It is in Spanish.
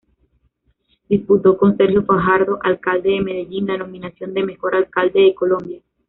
Disputó con Sergio Fajardo Alcalde de Medellín la nominación de Mejor Alcalde de Colombia.